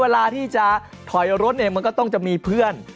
เวลาที่จะถอยรถเนี่ยมันก็ต้องจะมีเพื่อน